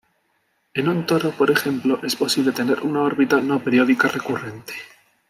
En un toro, por ejemplo, es posible tener una órbita no periódica recurrente.